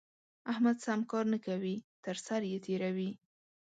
احمد سم کار نه کوي؛ تر سر يې تېروي.